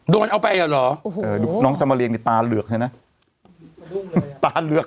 โดนเอาไปแล้วเหรอโอ้โหน้องชะมาเรียงดิตาเหลือกใช่ไหมตาเหลือก